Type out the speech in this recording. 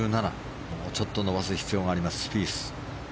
もうちょっと伸ばす必要がありますスピース。